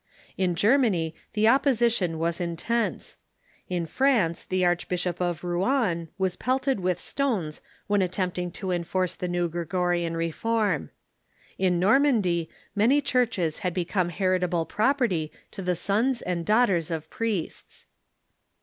In Germany the opposition was intense. In France the Archbishop of Rouen was pelted with stones when attempting to enforce the new Gregorian reform. In Normandy man}" churches had become lieritable property to the sons and daughters of priests.